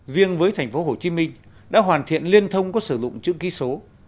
riêng với thành phố hồ chí minh đã hoàn thiện liên thông có sử dụng chữ ký số